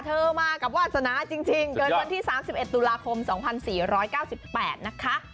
มากับวาสนาจริงเกิดวันที่๓๑ตุลาคม๒๔๙๘นะคะ